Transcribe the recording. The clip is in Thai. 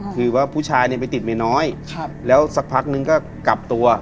คือว่าผู้ชายเนี่ยไปติดเมน้อยแล้วสักพักนึงก็กลับตัว